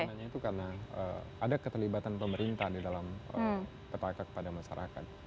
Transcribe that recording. karena itu karena ada keterlibatan pemerintah di dalam ppk kepada masyarakat